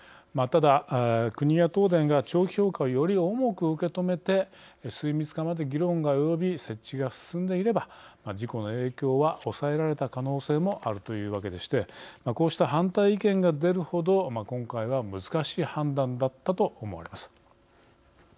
ただ国や東電が長期評価をより重く受け止めて水密化まで議論が及び設置が進んでいれば事故の影響は抑えられた可能性もあるというわけでしてこうした反対意見が出るほど今回は難しい判断だったと思われます。